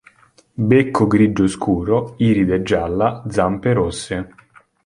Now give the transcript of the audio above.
Becco grigio scuro, iride gialla, zampe rosse.